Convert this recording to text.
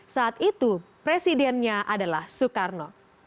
saat itu presidennya adalah soekarno